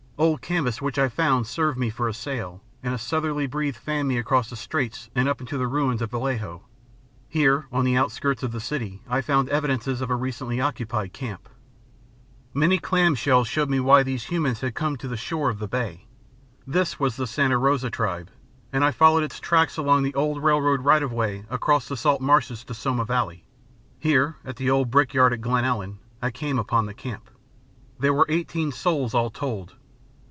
Old canvas which I found served me for a sail, and a southerly breeze fanned me across the Straits and up to the ruins of Vallejo. Here, on the outskirts of the city, I found evidences of a recently occupied camp. [Illustration: Found evidences of a recently occupied camp 169] "Many clam shells showed me why these humans had come to the shores of the Bay. This was the Santa Rosa Tribe, and I followed its track along the old railroad right of way across the salt marshes to Sonoma Valley. Here, at the old brickyard at Glen Ellen, I came upon the camp. There were eighteen souls all told.